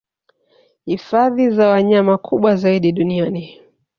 Hifadhi za wanyama kubwa zaidi duniani